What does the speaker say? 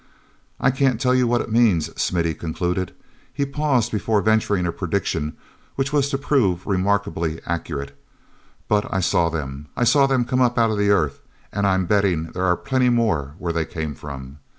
"I can't tell you what it means," Smithy concluded. He paused before venturing a prediction which was to prove remarkably accurate. "But I saw them—I saw them come up out of the earth, and I'm betting there are plenty more where they came from.